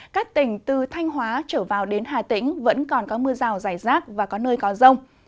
các tỉnh từ thanh hóa trở vào đến hà tĩnh vẫn còn có mưa rào rải rác và có nơi có rông